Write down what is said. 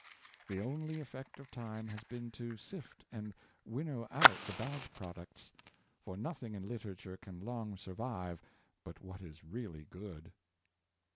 The only effect of time has been to sift and winnow out the bad products, for nothing in literature can long survive but what is really good.